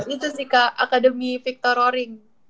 itu sih kak akademi victor roring